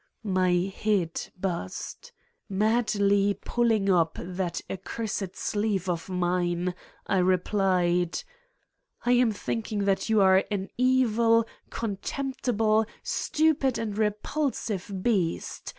My head buzzed. Madly pulling up that ac cursed sleeve of mine, I replied : "I am thinking that you are an evil, contempt ible, stupid and repulsive beast